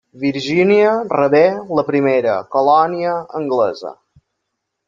Virgínia rebé la primera colònia anglesa.